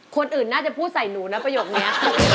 คนอื่นน่าจะพูดใส่หนูนะประโยคนี้